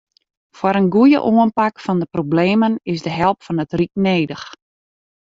Foar in goeie oanpak fan de problemen is de help fan it ryk nedich.